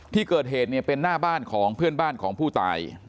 ที่เกิดเหตุเนี่ยเป็นหน้าบ้านของเพื่อนบ้านของผู้ตาย